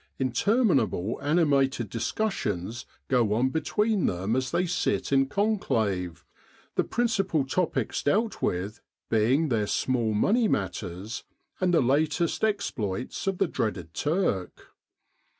Interminable animated discussions go on between them as they sit in conclave, the princi pal topics dealt with being their small money matters and the latest exploits of the dreaded Turk.